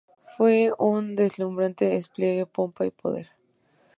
Fue un deslumbrante despliegue pompa y poder.